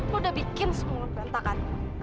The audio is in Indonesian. lu udah bikin semua bentakan